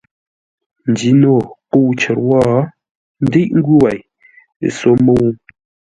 Njino kə̂u cər wó ńdíʼ ngwʉ̂ wei, ə́ só mə́u.